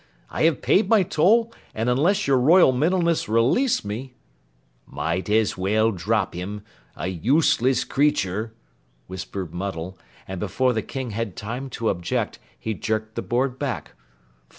I have paid my toll and unless your Royal Middleness release me " "Might as well drop him a useless creature!" whispered Muddle, and before the King had time to object, he jerked the board back.